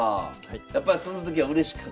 やっぱりその時はうれしかった？